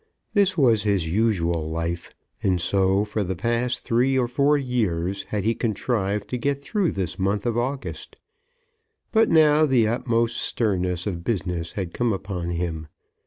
This was his usual life; and so for the last three or four years had he contrived to get through this month of August. But now the utmost sternness of business had come upon him.